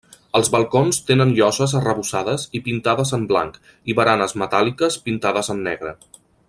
Els balcons tenen lloses arrebossades i pintades en blanc, i baranes metàl·liques pintades en negre.